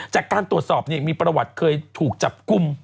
จากการตรวจสอบมีประวัติเคยถูกจับกลุ่ม